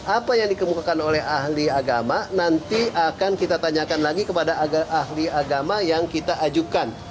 apa yang dikemukakan oleh ahli agama nanti akan kita tanyakan lagi kepada ahli agama yang kita ajukan